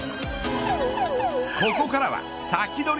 ここからはサキドリ！